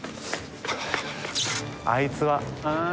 あいつは。